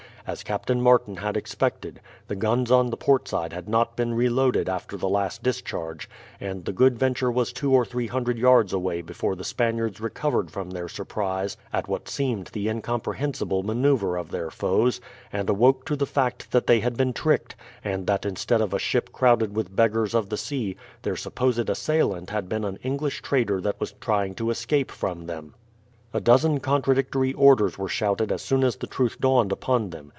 As Captain Martin had expected, the guns on the port side had not been reloaded after the last discharge, and the Good Venture was two or three hundred yards away before the Spaniards recovered from their surprise at what seemed the incomprehensible maneuver of their foes, and awoke to the fact that they had been tricked, and that instead of a ship crowded with beggars of the sea their supposed assailant had been an English trader that was trying to escape from them. A dozen contradictory orders were shouted as soon as the truth dawned upon them.